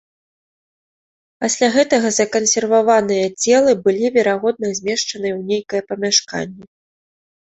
Пасля гэтага закансерваваныя цела былі, верагодна, змешчаныя ў нейкае памяшканне.